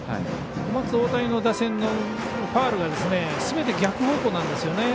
小松大谷の打線のファウルがすべて逆方向なんですよね。